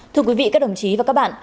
thưa quý vị các đồng chí và các bạn